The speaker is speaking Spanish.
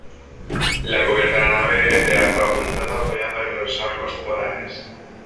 La cubierta de la nave es de arco apuntado apoyado en los arcos torales.